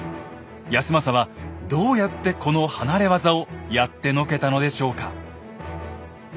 康政はどうやってこの離れ業をやってのけたのでしょうか？